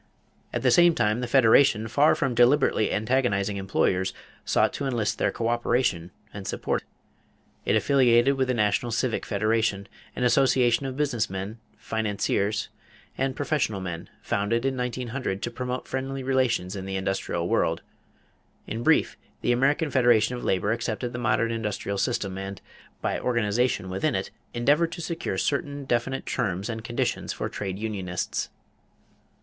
At the same time, the Federation, far from deliberately antagonizing employers, sought to enlist their coöperation and support. It affiliated with the National Civic Federation, an association of business men, financiers, and professional men, founded in 1900 to promote friendly relations in the industrial world. In brief, the American Federation of Labor accepted the modern industrial system and, by organization within it, endeavored to secure certain definite terms and conditions for trade unionists.